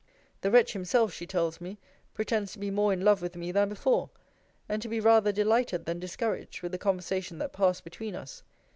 The wretch himself, she tells me, pretends to be more in love with me than before; and to be rather delighted than discouraged with the conversation that passed between us.